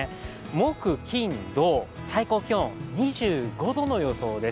木金土、最高気温２５度の予想です。